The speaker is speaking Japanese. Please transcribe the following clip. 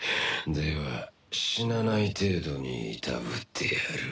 では死なない程度にいたぶってやる。